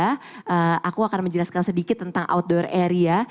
saya akan berbicara sedikit tentang outdoor area